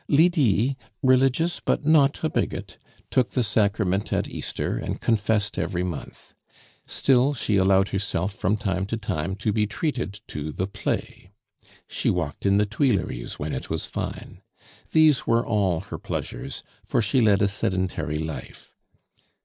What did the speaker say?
Lydie, religious but not a bigot, took the Sacrament at Easter, and confessed every month. Still, she allowed herself from time to time to be treated to the play. She walked in the Tuileries when it was fine. These were all her pleasures, for she led a sedentary life.